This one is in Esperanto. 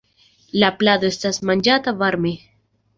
La plado estas manĝata varme.